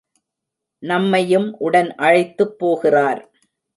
நம்மையும் உடன் அழைத்துப் போகிறார்.